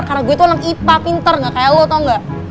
karena gue tuh anak ipa pinter nggak kayak lu tau nggak